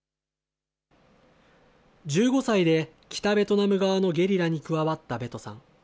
１５歳で北ベトナム側のゲリラに加わったベトさん。